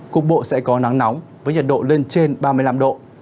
cục bộ sẽ có nắng nóng với nhiệt độ lên trên ba mươi năm độ